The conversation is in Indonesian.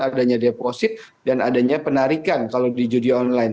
adanya deposit dan adanya penarikan kalau di judi online